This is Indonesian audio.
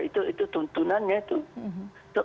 itu tuntunannya tuh